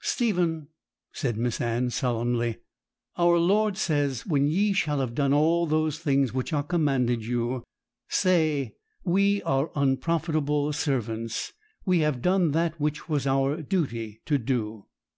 'Stephen,' said Miss Anne solemnly, 'our Lord says, "When ye shall have done all those things which are commanded you, say, We are unprofitable servants: we have done that which was our duty to do."'